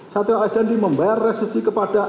satrio alias dandi membayar resusi kepada